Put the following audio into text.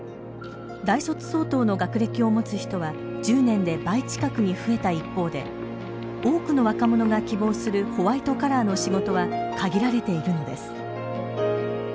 大卒相当の学歴を持つ人は１０年で倍近くに増えた一方で多くの若者が希望するホワイトカラーの仕事は限られているのです。